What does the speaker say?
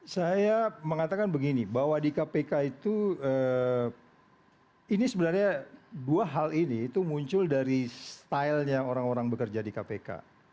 saya mengatakan begini bahwa di kpk itu ini sebenarnya dua hal ini itu muncul dari stylenya orang orang bekerja di kpk